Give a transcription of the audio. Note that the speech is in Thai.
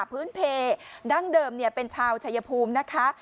พื้นเพดั้งเดิมเป็นชาวชายภูมินะคะ